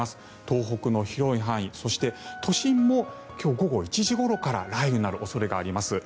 東北の広い範囲そして都心も今日午後１時ごろから雷雨になる恐れがあります。